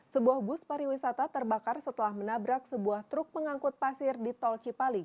sebuah bus pariwisata terbakar setelah menabrak sebuah truk pengangkut pasir di tol cipali